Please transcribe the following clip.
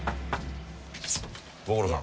ご苦労さん！